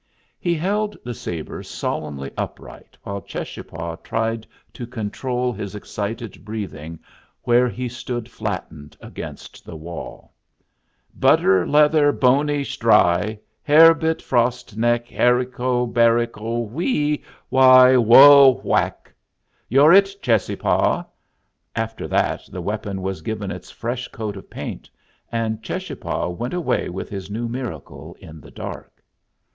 He held the sabre solemnly upright, while Cheschapah tried to control his excited breathing where he stood flattened against the wall. "'Butter, leather, boney, stry; Hare bit, frost neck, Harrico, barrico, whee, why, whoa, whack!' "You're it, Cheschapah." After that the weapon was given its fresh coat of paint, and Cheschapah went away with his new miracle in the dark.